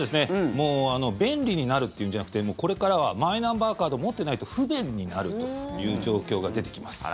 もう便利になるっていうんじゃなくてもうこれからはマイナンバーカードを持ってないと不便になるという状況が出てきます。